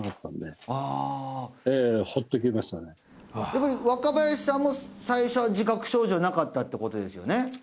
やっぱり若林さんも最初は自覚症状なかったってことですよね？